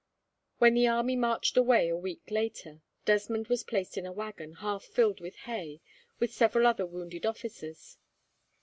When the army marched away a week later, Desmond was placed in a waggon, half filled with hay, with several other wounded officers.